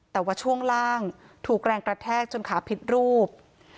แต่ว่าช่วงล่างถูกแรงกระแทกจนขาผิดรูป